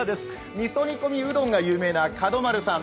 みそ煮込みうどんが有名なかどまるさん。